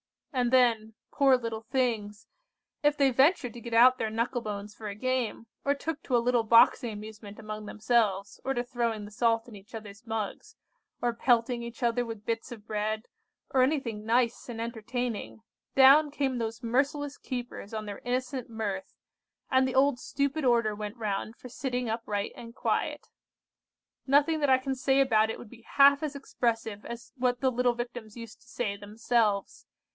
And then, poor little things, if they ventured to get out their knuckle bones for a game, or took to a little boxing amusement among themselves, or to throwing the salt in each other's mugs, or pelting each other with bits of bread, or anything nice and entertaining, down came those merciless keepers on their innocent mirth, and the old stupid order went round for sitting upright and quiet. Nothing that I can say about it would be half as expressive as what the little Victims used to say themselves.